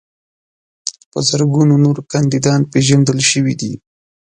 په زرګونو نور کاندیدان پیژندل شوي دي.